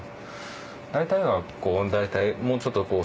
大体はもうちょっと。